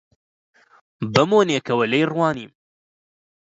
بە مۆنێکەوە لێی ڕوانیم: